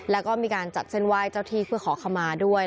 แล้วก็มีการจัดเส้นไหว้เจ้าที่เพื่อขอขมาด้วย